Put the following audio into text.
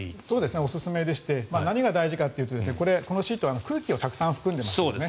おすすめでして何が大事かというとこのシートは空気をたくさん含んでますよね。